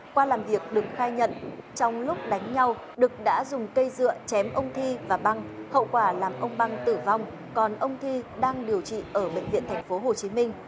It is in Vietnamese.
qua làm việc đựng khai nhận trong lúc đánh nhau đực đã dùng cây dựa chém ông thi và băng hậu quả làm ông băng tử vong còn ông thi đang điều trị ở bệnh viện tp hcm